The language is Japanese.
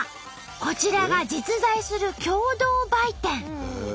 こちらが実在する共同売店。